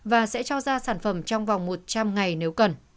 và sẽ cho ra sản phẩm trong vòng một trăm linh ngày nếu cần